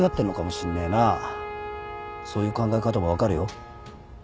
そういう考え方も分かるよ。